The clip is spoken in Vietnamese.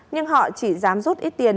nhưng họ chỉ dám rút ít tiền